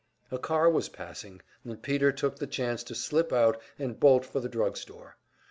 A car was passing, and Peter took the chance to slip out and bolt for the drug store.